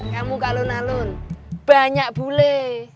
kamu kalun kalun banyak bule